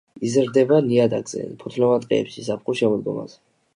იზრდება ნიადაგზე ფოთლოვან ტყეებში ზაფხულ-შემოდგომაზე.